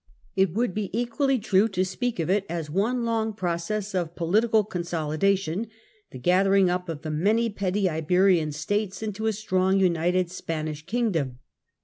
It would be equally true to speak of it as one long process of political consolidation, the gathering up of the many petty Iberian States into a strong united Spanish kingdom.